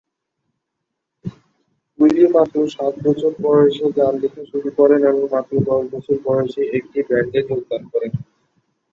Willy মাত্র সাত বছর বয়সে গান লিখা শুরু করেন এবং মাত্র দশ বছর বয়সেই একটি ব্যান্ডে যোগদান করেন।